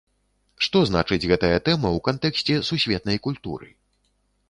Што значыць гэтая тэма ў кантэксце сусветнай культуры?!